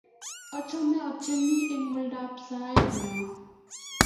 achame atieni eng' oldab saet nyo